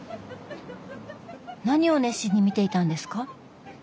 何を熱心に見ていたんですか？